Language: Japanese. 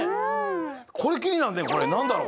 これきになるねこれなんだろう？